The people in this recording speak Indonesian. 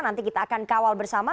nanti kita akan kawal bersama